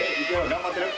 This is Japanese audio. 頑張ってる？